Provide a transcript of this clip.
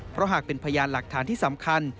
เพราะหากเป็นพยานหลักฐานที่สำคัญ